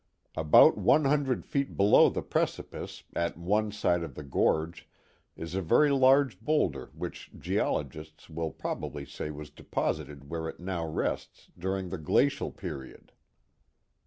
About one hundred feet below the precipice, at one side of the gorge, is a very large boulder which geologists will probably say was deposited where it now rests during the glacial period.